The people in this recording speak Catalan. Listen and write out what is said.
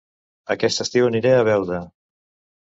Aquest estiu aniré a Beuda